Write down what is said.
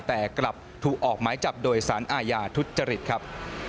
แต่กลับถูกออกหมายจับโดยสารอาญาทุจริตครับ